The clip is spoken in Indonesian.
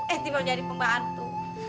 eh dibang jadi pembantu